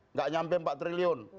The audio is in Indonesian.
nggak nyampe empat triliun